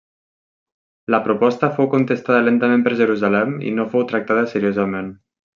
La proposta fou contestada lentament per Jerusalem i no fou tractada seriosament.